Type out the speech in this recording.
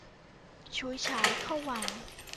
ฉุยฉายเข้าวัง